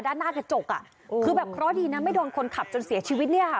ด้านหน้ากระจกอ่ะคือแบบเคราะห์ดีนะไม่โดนคนขับจนเสียชีวิตเนี่ยค่ะ